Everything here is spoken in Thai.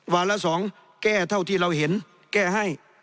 ละ๒แก้เท่าที่เราเห็นแก้ให้